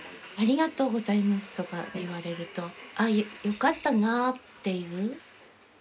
ありがとうございます」とかって言われると「あよかったな」っていう。